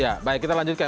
ya baik kita lanjutkan